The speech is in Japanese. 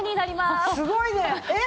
すごいね！